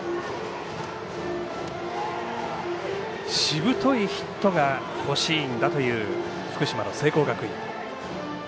しぶといヒットが欲しいんだという福島の聖光学院。